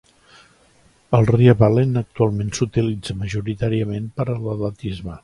El Ryavallen actualment s'utilitza majoritàriament per a l'atletisme.